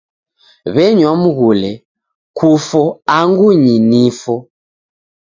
W'enywa mghule, "kufo angu nyii nifo."